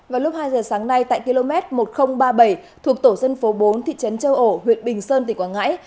vào lúc hai giờ sáng nay tại km một nghìn ba mươi bảy thuộc tổ dân phố bốn thị trấn châu ổ huyện bình sơn tỉnh quảng ngãi